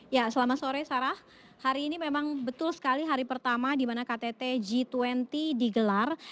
ya selama sore sarah hari ini memang betul sekali hari pertama di mana ktt g dua puluh digelar